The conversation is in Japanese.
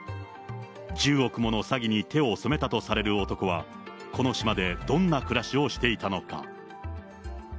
１０億もの詐欺に手を染めたとされる男は、この島でどんな暮らしをしていたのか。